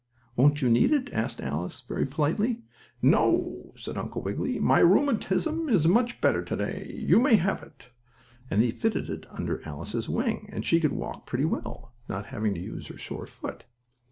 "Won't you need it?" asked Alice, very politely. "No," said Uncle Wiggily. "My rheumatism is much better to day. You may have it," and he fitted it under Alice's wing, and she could walk pretty well, not having to use her sore foot.